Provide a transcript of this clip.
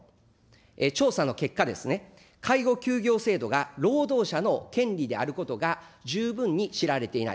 調査の結果、介護休業制度が労働者の権利であることが十分に知られていない。